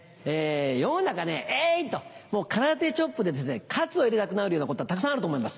世の中ねエイ！と空手チョップで活を入れたくなるようなことがたくさんあると思います。